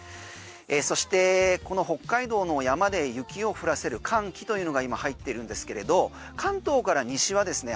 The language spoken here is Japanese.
そしてこの北海道の山で雪を降らせる寒気というのが今入ってるんですけれど関東から西はですね